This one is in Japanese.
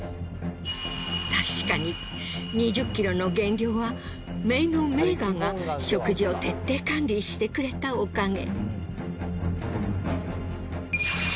確かに２０ｋｇの減量は姪のメーガンが食事を徹底管理してくれたおかげ。